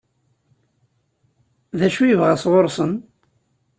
D acu i yebɣa sɣur-sen?